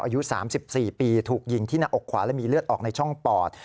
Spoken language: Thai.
อายุ๓๔ปีถูกยิงที่หน้าอกขวาและมีเลือดออกในช่องปอด